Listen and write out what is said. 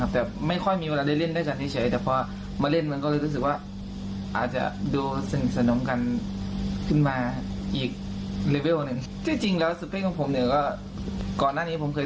แต่ไม่ค่อยมีเวลาได้เล่นด้วยกันแค่นี้เฉย